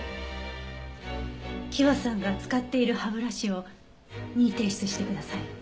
希和さんが使っている歯ブラシを任意提出してください。